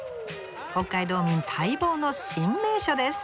北海道民待望の新名所です。